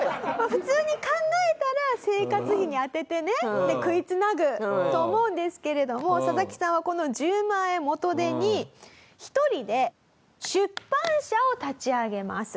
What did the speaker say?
普通に考えたら生活費にあててね食いつなぐと思うんですけれどもササキさんはこの１０万円元手に１人で出版社を立ち上げます。